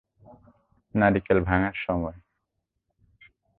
নারকেল ভাঙার সময়।